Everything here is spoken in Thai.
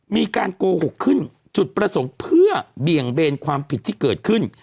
มีการโกหกขึ้นจุดประสงค์เพื่อเบี่ยงเบนความผิดที่เกิดขึ้น